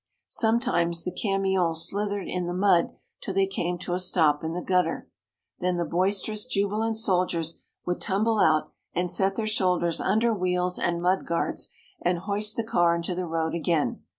Sometimes the camions slithered in the mud till they came to a stop in the gutter. Then the boisterous, jubilant soldiers would tumble out and set their shoulders under wheels and mud guards, and hoist the car into the road again.